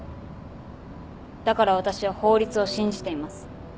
だから私は法律を信じています。